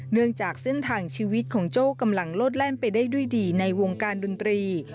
เนื่องจากเส้นทางชีวิตของโจ้กำลังโลดแล่นไปได้ด้วยดีในวงการดนตรี